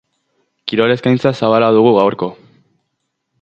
Kirol eskaintza zabala dugu gaurko.